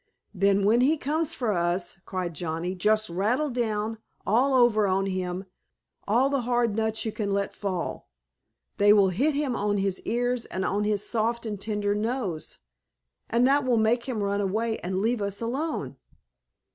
"Then, when he comes for us!" cried Johnnie, "just rattle down, all over on him, all the hard nuts you can let fall. They will hit him on his ears, and on his soft and tender nose, and that will make him run away and leave us alone."